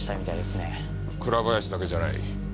倉林だけじゃない。